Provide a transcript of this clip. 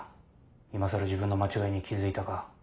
今更自分の間違いに気付いたか？